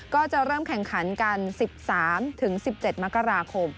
ก็จะเริ่มแข่งขันกัน๑๓๑๗มกราคม